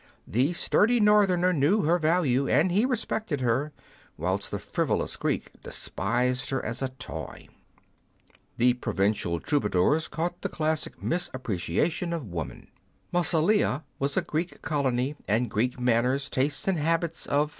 The sturdy Northerner knew her value, and he respected her, whilst the frivolous Greek despised her as a toy. The Proven gal troubadours caught the classic misappreciation of woman. Massillia was a Greek colony, and Greek manners, tastes, and habits of no What are Women Made Of?